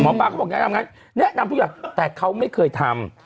ป้าเขาบอกแนะนำงั้นแนะนำทุกอย่างแต่เขาไม่เคยทำ